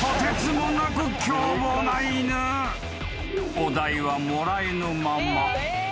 ［お代はもらえぬまま］